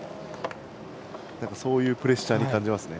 そういうプレッシャーに感じます。